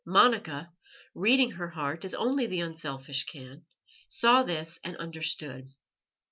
Monica, reading her heart as only the unselfish can, saw this and understood.